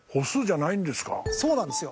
そうなんですよ。